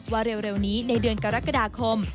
ว่าเร็วนี้ในเดือนกรกฎาคม